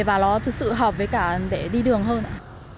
và nó thực sự hợp với cả để đi đường hơn ạ